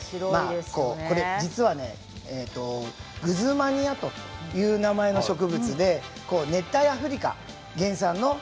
これ、実はグズマニアという名の植物で熱帯アフリカ原産の。